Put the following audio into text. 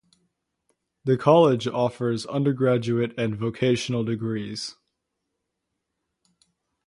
The college offers undergraduate and vocational degrees.